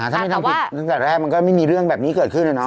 ถ้าไม่ทำผิดตั้งแต่แรกมันก็ไม่มีเรื่องแบบนี้เกิดขึ้นนะเนา